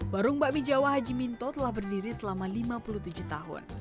barung bakmi jawa hajiminto telah berdiri selama lima puluh tujuh tahun